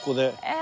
え